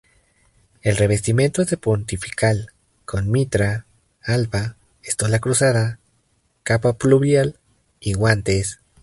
El revestimiento es de pontifical con mitra, alba, estola cruzada, capa pluvial y guantes.